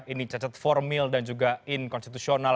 ini cacat formil dan juga inkonstitusional